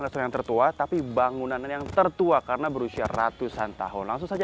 restoran yang tertua tapi bangunan yang tertua karena berusia ratusan tahun langsung saja